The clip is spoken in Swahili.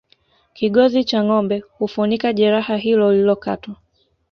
kigozi cha ngombe hufunika jeraha hilo lililokatwa